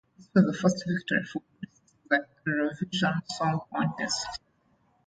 This was the first victory for Greece at the Eurovision Song Contest.